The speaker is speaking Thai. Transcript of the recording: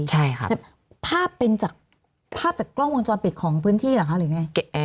ใช่ครับภาพเป็นจากภาพจากกล้องวงจรปิดของพื้นที่เหรอคะหรือไง